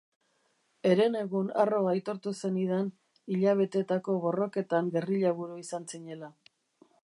Herenegun harro aitortu zenidan hilabeteetako borroketan gerrillaburu izan zinela.